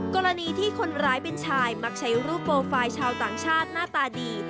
กรณีที่คนร้ายเป็นชายมักใช้รูปโปรไฟล์ชาวต่างชาติหน้าตาดี